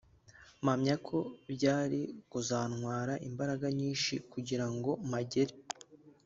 mpamya ko byari kuzantwara imbaraga nyinshi kugirango mpagere